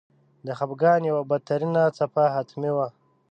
د خپګان یوه بدترینه څپه حتمي وه.